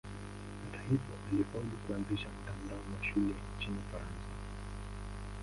Hata hivyo alifaulu kuanzisha mtandao wa shule nchini Ufaransa.